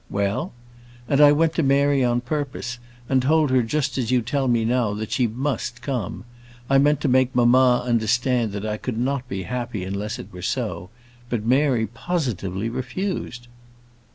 "Well?" "And I went to Mary on purpose; and told her just as you tell me now, that she must come. I meant to make mamma understand that I could not be happy unless it were so; but Mary positively refused."